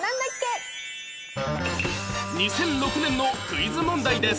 ２００６年のクイズ問題です